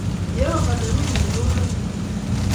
Jehovah neng’ung’ torornatet